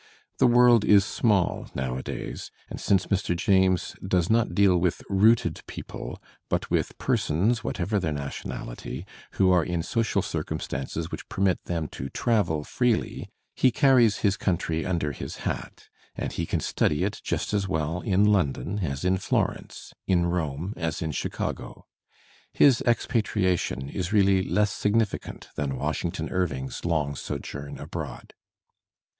The world is small nowadays, and since Mr. James does not deal with rooted people, but with persons, whatever their national ity, who are in social circumstances which permit them to travel freely, he carries his country under his hat: and he can study it just as well in London as in Florence, in Rome as in Chicago. His expatriation is really less significant than Washington Irving's long sojourn abroad.